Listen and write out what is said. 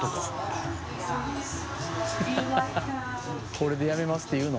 これで「やめます」って言うの？